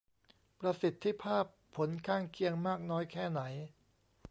ประสิทธิภาพผลข้างเคียงมากน้อยแค่ไหน